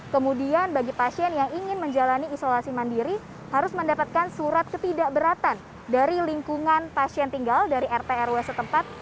kemudian bagi pasien yang ingin menjalani isolasi mandiri harus mendapatkan surat ketidakberatan dari lingkungan pasien tinggal dari rt rw setempat